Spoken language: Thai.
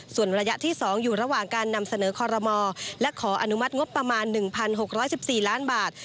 ส่วนระยะที่๒อยู่ระหว่างการนำเสนอคอรมอและขออนุมัติงบประมาณ๑๖๑๔ล้านบาท